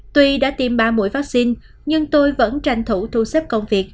tuy đã tiêm ba mũi vaccine nhưng tôi vẫn tranh thủ thu xếp công việc